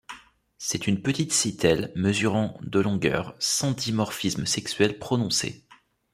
C'est une petite sittelle, mesurant de longueur, sans dimorphisme sexuel prononcé.